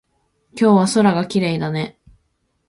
今日は空がきれいだね。